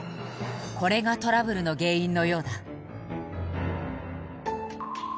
これがトラブルの原因のようだ